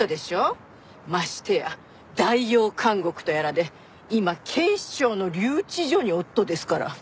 ましてや代用監獄とやらで今警視庁の留置場におっとですから。